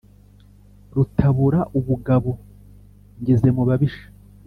rutabura ubugabo ngeze mu babisha